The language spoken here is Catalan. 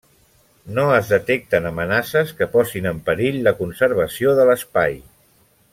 No es detecten amenaces que posin en perill la conservació de l'espai.